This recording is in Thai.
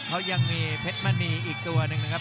เขายังมีเพชรมณีอีกตัวหนึ่งนะครับ